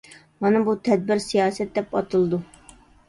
مانا بۇ تەدبىر سىياسەت دەپ ئاتىلىدۇ.